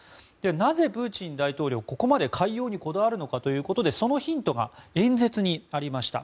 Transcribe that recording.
なぜ、プーチン大統領はここまで海洋にこだわるのかということでそのヒントが演説にありました。